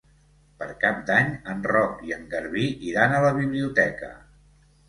Per Cap d'Any en Roc i en Garbí iran a la biblioteca.